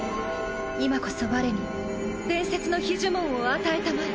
今こそ我に伝説の秘呪文を与えたまえ。